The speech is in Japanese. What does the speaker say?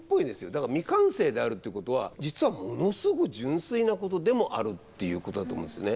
だから未完成であるっていうことは実はものすごく純粋なことでもあるっていうことだと思うんですよね。